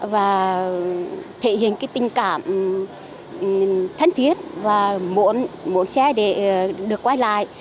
và thể hiện cái tình cảm thân thiết và muốn xe để được quay lại